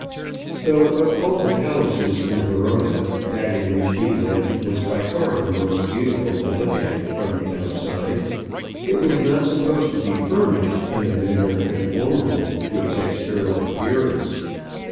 Though of all the palaces in Verona that in which he lived was by far the most beautiful to look at from the outside, it was not supposed to be furnished in a manner conformable to its external appearance.